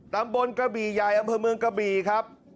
ตำบลกะบียายังเพิ่มเมืองกะบีครับ